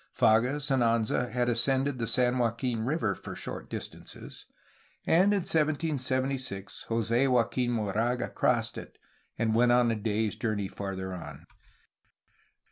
Fages and Anza had ascended the San Joaquin River for short distances, and in 1776 Jose Joaquin Moraga crossed it, and went a day's journey farther on.